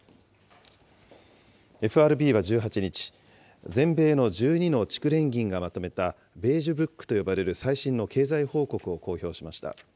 ＦＲＢは１８日、全米の１２の地区連銀がまとめた、ベージュブックと呼ばれる最新の経済報告を公表しました。